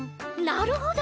なるほど！